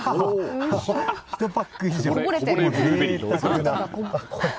１パック以上。